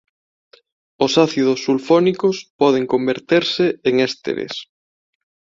Os ácidos sulfónicos poden converterse en ésteres.